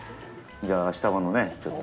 じゃあ、明日葉のね、ちょっと。